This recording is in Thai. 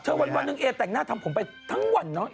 วันหนึ่งเอแต่งหน้าทำผมไปทั้งวันเนอะ